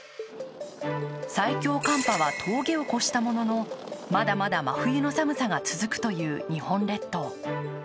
最強寒波は峠を越したもののまだまだ真冬の寒さが続くという日本列島。